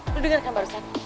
lo denger kan barusan